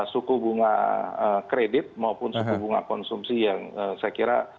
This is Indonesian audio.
suku bunga kredit maupun suku bunga konsumsi yang saya kira